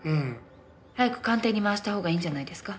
早く鑑定に回した方がいいんじゃないですか？